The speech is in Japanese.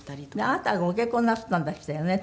あなたがご結婚なすったんでしたよね？